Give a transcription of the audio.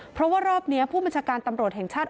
เพราะว่ารอบนี้ผู้บัญชาการตำรวจแห่งชาติ